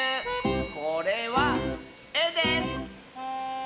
これは「え」です！